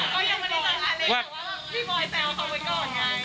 อ๋อเขายังไม่ได้ถามอเล็กแต่ว่าพี่บอยแซวเขาไว้ก่อนไง